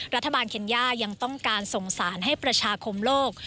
เคนย่ายังต้องการส่งสารให้ประชาคมโลก